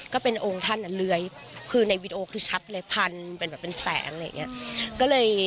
ก็เป็นองค์ท่านเลื้อยคือในวิดีโอคือชัดเลยพันเป็นแบบเป็นแสงอะไรอย่างนี้